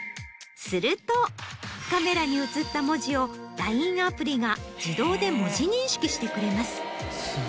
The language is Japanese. するとカメラに映った文字をＬＩＮＥアプリが自動で文字認識してくれます。